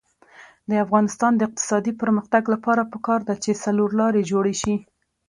د افغانستان د اقتصادي پرمختګ لپاره پکار ده چې څلورلارې جوړې شي.